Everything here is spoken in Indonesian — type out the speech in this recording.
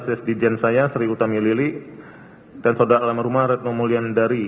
sis dijen saya sri utami lili dan saudara almarhumah retno mulyan dari